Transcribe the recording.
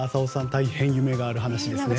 大変、夢のある話ですね。